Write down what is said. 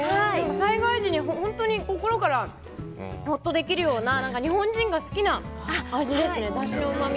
災害時に心からほっとできるような日本人が好きな味ですね。